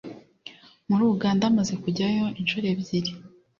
muri Uganda maze kujyayo inshuro ebyiri